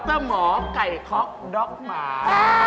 หมอไก่ค็อกด๊อกหมา